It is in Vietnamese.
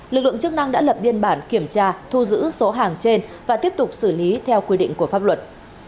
lực lượng chức năng đã lập biên bản kiểm tra thu giữ số hàng trên và tiếp tục xử lý theo quy định của pháp luật